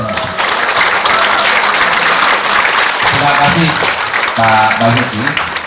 terima kasih pak bahuti